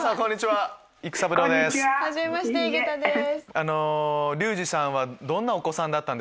はじめまして井桁です。